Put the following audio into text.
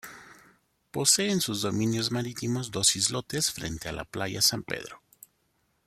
Posee en sus dominios marítimos dos islotes frente a la playa San Pedro.